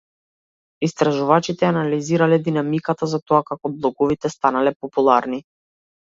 Истражувачите ја анализирале динамиката за тоа како блоговите станале популарни.